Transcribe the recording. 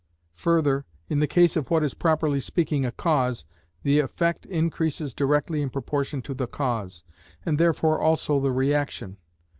Further, in the case of what is properly speaking a cause, the effect increases directly in proportion to the cause, and therefore also the reaction.